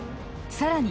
さらに